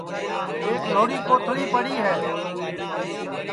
ایک لھوڑی کوتھݪی پڑی ہے